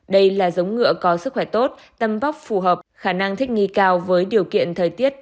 đây là giống ngựa có sức khỏe tốt tâm bóc phù hợp khả năng thích nghi cao với điều kiện thời tiết